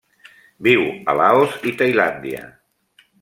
Viu a Laos i Tailàndia.